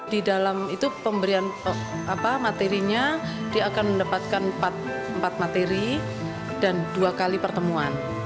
di dalam itu pemberian materinya dia akan mendapatkan empat materi dan dua kali pertemuan